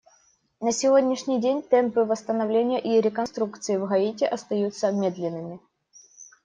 На сегодняшний день темпы восстановления и реконструкции в Гаити остаются медленными.